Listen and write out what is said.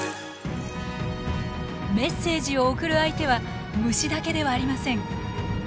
メッセージを送る相手は虫だけではありません。